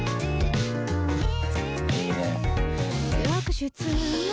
いいね。